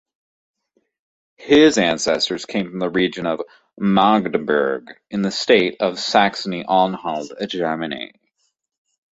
His ancestors came from the region of Magdeburg in the state of Saxony-Anhalt, Germany.